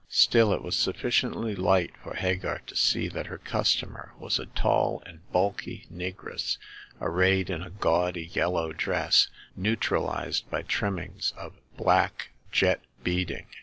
Still, it was sufficiently light for Hagar to see that her customer was a tall and bulky negress, arrayed in a gaudy yellow dress, neutralized by trimmings of black jet beading.